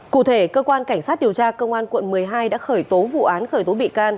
cụ thể cơ quan cảnh sát điều tra công an quận một mươi hai đã khởi tố vụ án khởi tố bị can